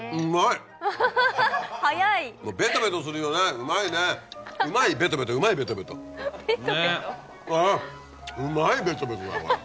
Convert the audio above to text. うまいベトベトだよこれ。